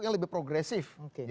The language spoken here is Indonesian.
yang lebih progresif